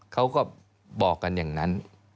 เขาก็บอกกันอย่างนั้น